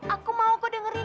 aku mau aku dengerin